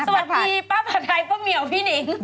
สวัสดีป้าผัดไทยป้าเหมียวพี่หนิง